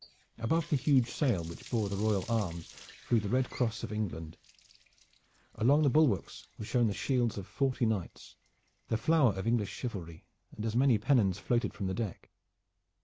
Above the huge sail which bore the royal arms flew the red cross of England. Along the bulwarks were shown the shields of forty knights, the flower of English chivalry, and as many pennons floated from the deck.